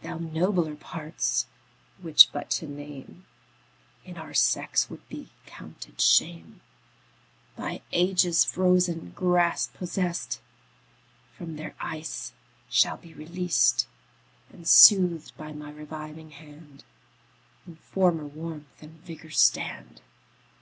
Thy nobler parts, which but to name In our sex would be counted shame, By ages frozen grasp possest, From their ice shall be released, And, soothed by my reviving hand, In former warmth and vigour stand.